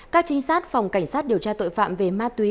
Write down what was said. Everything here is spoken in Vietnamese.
các trinh sát phòng cảnh sát điều tra tội phạm về ma túy